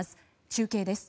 中継です。